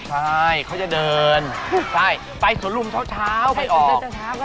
ใช่เขาจะเดินไปสนรุมเช้าไปออก